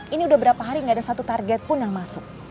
ini udah berapa hari gak ada satu target pun yang masuk